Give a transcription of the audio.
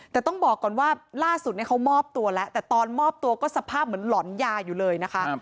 แต่ต้องบอกก่อนว่าล่าสุดเขามอบตัวแล้วแต่ตอนมอบตัวก็สภาพเหมือนหลอนยาอยู่เลยนะคะ